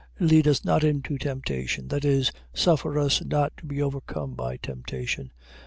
Lead us not into temptation. . .That is, suffer us not to be overcome by temptation.